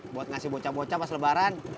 buat ngasih bocah bocah pas lebaran